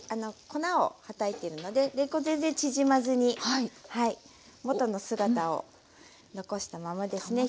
粉をはたいているのでれんこん全然縮まずに元の姿を残したままですね。